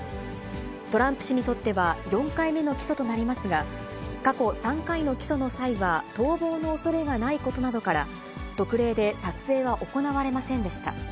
トランプ氏にとっては４回目の起訴となりますが、過去３回の起訴の際は逃亡のおそれがないことなどから、特例で撮影は行われませんでした。